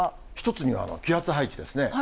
１つには、気圧配置ですね。